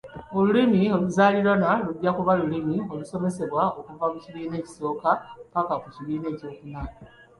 Olulimi oluzaaliranwa lujja kuba olulimi olusomesebwamu okuva ku kibiina ekisooka ppaka ku kibiina ekyokuna.